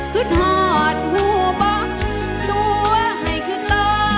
ขึดหอดหูบอกดูว่าให้ขึดต่อ